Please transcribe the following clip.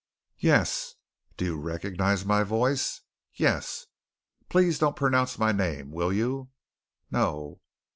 "Yes." "Do you recognize my voice?" "Yes." "Please don't pronounce my name, will you?" "No."